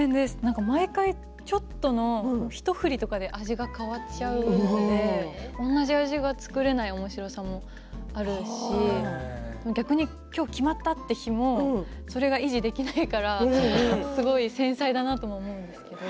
毎回ちょっとの一振りとかで味が変わっちゃうので同じ味が作れないおもしろさがあるし逆にきょう決まった、という日もそれが維持できないからすごい繊細だなと思います。